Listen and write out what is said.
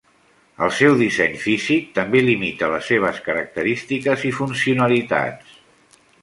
El seu disseny físic també limita les seves característiques i funcionalitats.